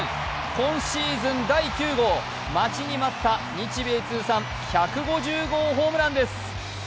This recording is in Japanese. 今シーズン第９号、待ちに待った日米通算１５０号ホームランです。